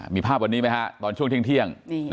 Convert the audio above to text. มีภาพวันนี้ไหมฮะตอนช่วงเที่ยง